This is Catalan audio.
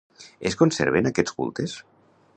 Es conserven, aquests cultes?